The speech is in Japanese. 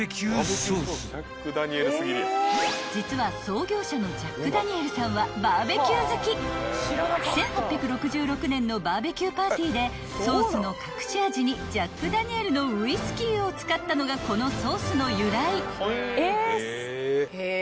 ［実は創業者のジャック・ダニエルさんはバーベキュー好き］［１８６６年のバーベキューパーティーでソースの隠し味にジャックダニエルのウイスキーを使ったのがこのソースの由来］